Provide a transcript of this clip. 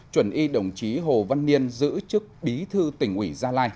chuẩn y đồng chí hồ văn niên giữ chức bí thư tỉnh ủy gia lai